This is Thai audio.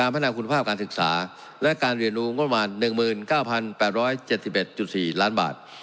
พัฒนาคุณภาพการศึกษาและการเรียนรู้งบประมาณ๑๙๘๗๑๔ล้านบาท